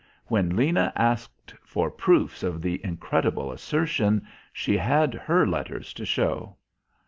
When Lena asked for proofs of the incredible assertion she had her letters to show.